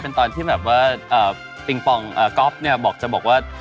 เป็นตอนที่แบบว่าปิงปองก๊อฟเนี่ยบอกจะบอกว่า